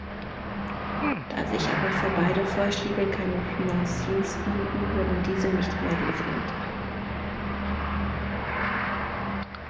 Da sich aber für beide Vorschläge keine Financiers fanden, wurden diese nicht realisiert.